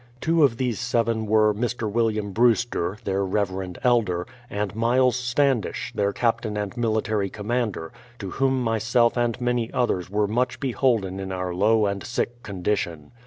Two of these seven were Mr. William Brewster, their reverend elder, and Myles Standish, their captain and military commander, to whom m.yself and many others were much beholden in our low and sick condition.